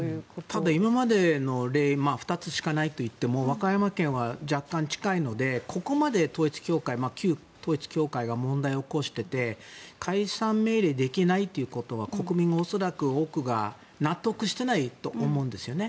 ただ、今までの例２つしかないといっても和歌山県は若干近いのでここまで旧統一教会が問題を起こしていて解散命令できないということは国民は恐らく多くが納得してないと思うんですよね。